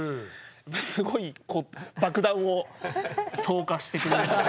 すごい爆弾を投下してくれるので。